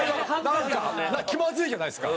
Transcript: なんか気まずいじゃないですか。